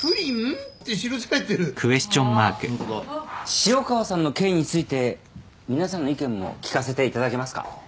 潮川さんの刑について皆さんの意見も聞かせていただけますか。